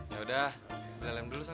ya udah beli elem dulu sana